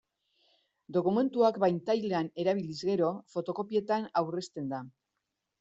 Dokumentuak pantailan erabiliz gero, fotokopietan aurrezten da.